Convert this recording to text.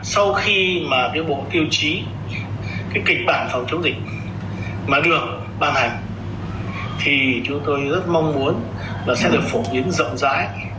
sau khi mà cái bộ tiêu chí cái kịch bản phòng chống dịch mà được ban hành thì chúng tôi rất mong muốn là sẽ được phổ biến rộng rãi